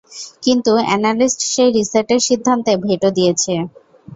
কিন্তু, অ্যানালিস্ট সেই রিসেটের সিদ্ধান্তে ভেটো দিয়েছে।